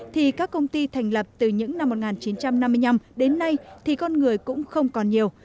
thì các công ty thành lập từ những năm một nghìn chín trăm năm mươi năm đến nay thì con người cũng không còn nhiều